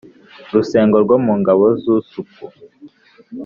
rusengo rwo mu ngabo z’usuku